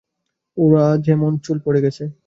ওর যেমন চুল পড়ে গেছে।